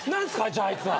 じゃああいつは。